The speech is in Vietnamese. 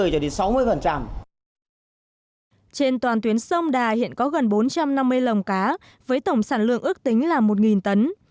trên toàn tuyến sông đà hiện có gần bốn trăm năm mươi lồng cá với tổng sản lượng ước tính là một tấn